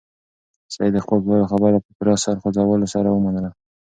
سعید د خپل پلار خبره په پوره سر خوځولو سره ومنله.